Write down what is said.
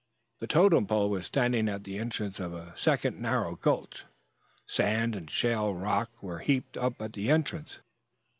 The totem pole was standing at the entrance of a second narrow gulch. Sand and shale rock were heaped up at the entrance.